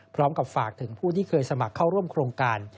พร้อมกับฝากถึงผู้ที่เคยสมัครเข้าร่วมโครงการ